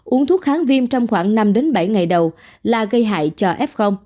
uống thuốc kháng viêm trong khoảng năm bảy ngày đầu là gây hại cho f